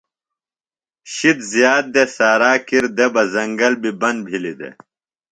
شِد زِیات دےۡ۔ سارا کِر دےۡ بہ زنگل بیۡ بند بِھلیۡ دےۡ۔